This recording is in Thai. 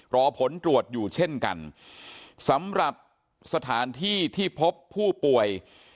รอผลตรวจอยู่เช่นกันสำหรับสถานที่ที่พบผู้ป่วย